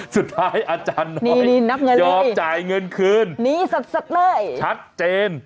สุดท้ายอาจารย์น้อยยอบจ่ายเงินคืนชัดเลยชัดเจน